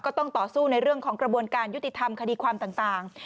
ต้องต่อสู้ในเรื่องของกระบวนการยุติธรรมคดีความต่าง